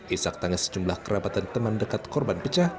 isak tangis sejumlah kerabatan teman dekat korban pecah